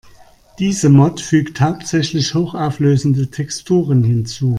Diese Mod fügt hauptsächlich hochauflösende Texturen hinzu.